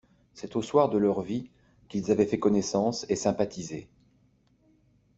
C’est au soir de leur vie qu’ils avaient fait connaissance et sympathisé.